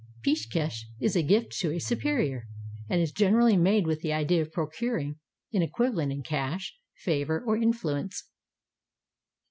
Peeshkesh is a gift to a superior, and is generally made with the idea of procuring an equivalent in cash, favor, or influence.